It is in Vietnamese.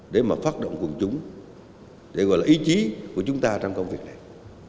để mà phát động quần chúng để gọi là ý chí của chúng ta trong công việc này